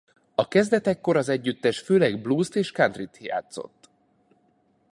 A kezdetekkor az együttes főleg bluest és countryt játszott.